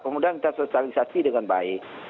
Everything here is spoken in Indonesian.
kemudian kita sosialisasi dengan baik